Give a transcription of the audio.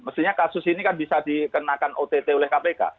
mestinya kasus ini kan bisa dikenakan ott oleh kpk